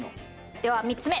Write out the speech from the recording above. では３つ目。